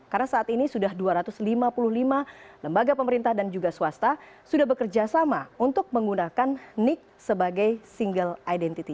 karena saat ini sudah dua ratus lima puluh lima lembaga pemerintah dan juga swasta sudah bekerja sama untuk menggunakan nik sebagai single identity